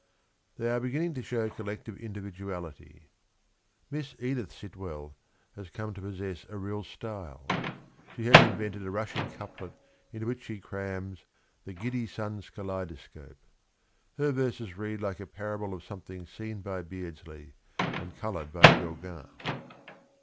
... They are beginning to show collective individuality ... Miss Edith Sitwell ... has come to possess a real style. She has invented a rushing couplet into which she crams ' the giddy sun's kaleidescope.' Her verses read like a parable of something seen by Beardsley and coloured by Gauquin.